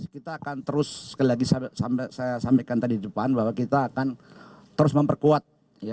kita akan terus sekali lagi saya sampaikan tadi di depan bahwa kita akan terus memperkuat